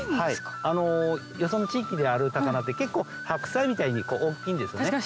よその地域にある高菜って結構白菜みたいに大きいんですよね。